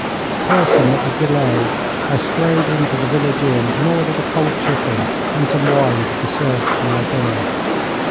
Cursing at the delay, I strode into the village inn and ordered a cold chicken and some wine to be served for my dinner.